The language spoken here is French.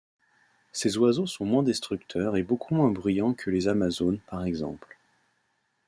Ces oiseaux sont moins destructeurs et beaucoup moins bruyants que les amazones, par exemple.